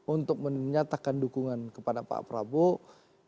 untuk menyatakan dukungan kepada pak prabowo